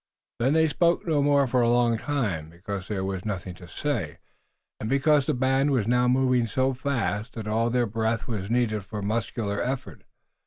Then they spoke no more for a long time, because there was nothing to say, and because the band was now moving so fast that all their breath was needed for muscular effort.